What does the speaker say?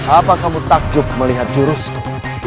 apa kamu takjub melihat jurusku